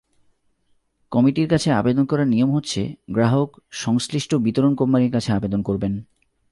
কমিটির কাছে আবেদন করার নিয়ম হচ্ছে, গ্রাহক সংশ্লিষ্ট বিতরণ কোম্পানির কাছে আবেদন করবেন।